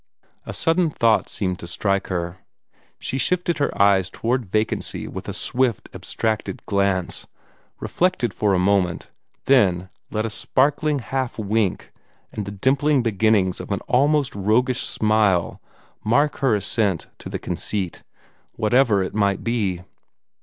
A sudden thought seemed to strike her. She shifted her eyes toward vacancy with a swift, abstracted glance, reflected for a moment, then let a sparkling half wink and the dimpling beginnings of an almost roguish smile mark her assent to the conceit, whatever it might be.